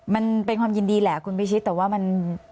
มันเป็นความยินดีแหละคุณพิชิตแต่ว่ามัน